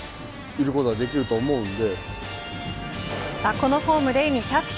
このフォームで２００勝